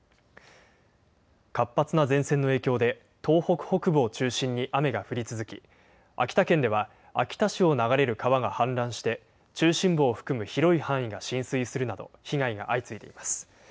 活発な前線の影響で、東北北部を中心に雨が降り続き、秋田県では秋田市を流れる川が氾濫して、中心部を含む広い範囲が浸水するなど被害が相次いでいます。